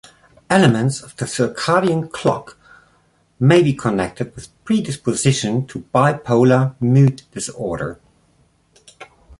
Elements of the circadian clock may be connected with predisposition to bipolar mood disorder.